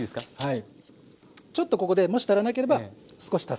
ちょっとここでもし足らなければ少し足す。